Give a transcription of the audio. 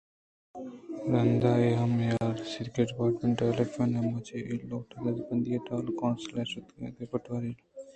رند ءَ اے ہم حال رست کہ ڈیپارٹمنٹ الف ءِ نیمگ ءَ چہ اے لوٹ ءِ دزبندی ئے ٹاؤن کونسل ءَ شتگ اَت کہ یک پٹواری ئے لوٹائینگی اِنت